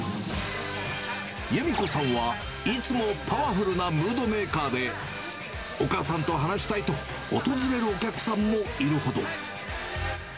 優巳子さんはいつもパワフルなムードメーカーで、お母さんと話したいと訪れるお客さんもいるほど。